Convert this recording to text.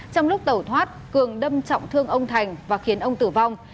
trong lúc tẩu thoát cường đâm trọng thương ông thành và khiến ông tử vong